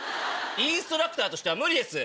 インストラクターとしては無理です。